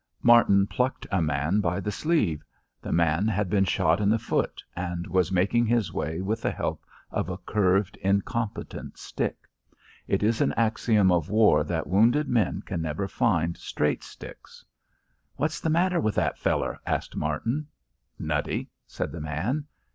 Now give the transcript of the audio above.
Martin plucked a man by the sleeve. The man had been shot in the foot, and was making his way with the help of a curved, incompetent stick. It is an axiom of war that wounded men can never find straight sticks. "What's the matter with that feller?" asked Martin. "Nutty," said the man.